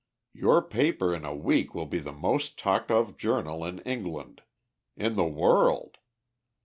Your paper in a week will be the most talked of journal in England in the world.